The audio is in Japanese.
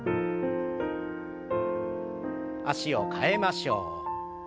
脚を替えましょう。